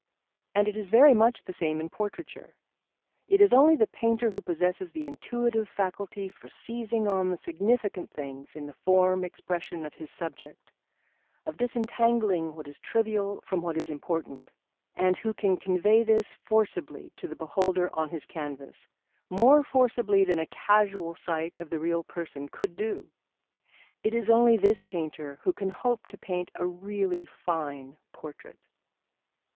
And it is very much the same in portraiture. It is only the painter who possesses the intuitive faculty for seizing on the significant things in the form expression of his subject, of disentangling what is trivial from what is important; and who can convey this forcibly to the beholder on his canvas, more forcibly than a casual sight of the real person could do it is only this painter who can hope to paint a really fine portrait.